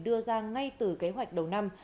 đưa ra ngay từ kế hoạch đầu năm